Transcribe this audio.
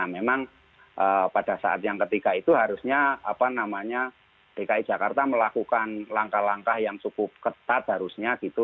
memang pada saat yang ketiga itu harusnya dki jakarta melakukan langkah langkah yang cukup ketat harusnya gitu